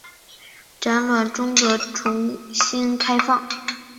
展馆终得重新开放。